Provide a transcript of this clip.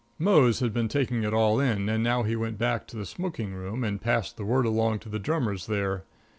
Mose had been taking it all in, and now he went back to the smoking room and passed the word along to the drummers there.